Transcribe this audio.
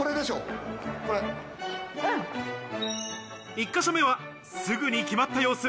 １か所目はすぐに決まった様子。